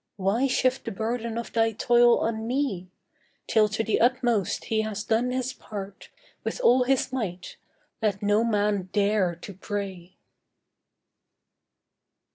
Why shift the burden of thy toil on Me? Till to the utmost he has done his part With all his might, let no man dare to pray.